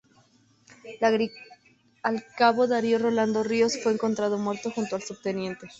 El cabo Darío Rolando Ríos fue encontrado muerto junto al subteniente.